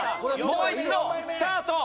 もう一度スタート。